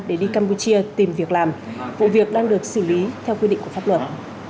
để đi campuchia tìm việc làm vụ việc đang được xử lý theo quy định của pháp luật